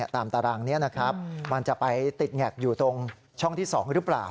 ตารางนี้นะครับมันจะไปติดแงกอยู่ตรงช่องที่๒หรือเปล่า